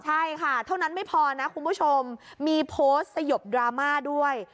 ใช่ค่ะเท่านั้นไม่พอนะคุณผู้ชมมีโพสต์สยบดราม่าด้วย